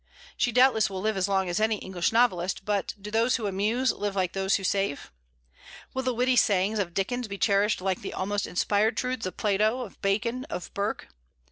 She doubtless will live as long as any English novelist; but do those who amuse live like those who save? Will the witty sayings of Dickens be cherished like the almost inspired truths of Plato, of Bacon, of Burke?